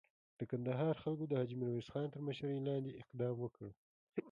د کندهار خلکو د حاجي میرویس خان تر مشري لاندې اقدام وکړ.